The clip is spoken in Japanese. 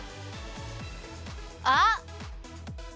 あっ！